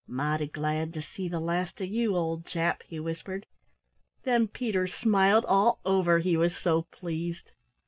"Mighty glad to see the last of you, old chap," he whispered. Then Peter smiled all over, he was so pleased.